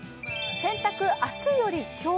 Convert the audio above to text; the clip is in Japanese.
洗濯、明日より今日。